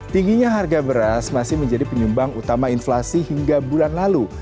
tingginya harga beras masih menjadi penyumbang utama inflasi hingga bulan lalu